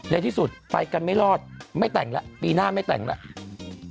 ในที่สุดไปกันไม่รอดไม่แต่งแล้วปีหน้าไม่แต่งแล้ว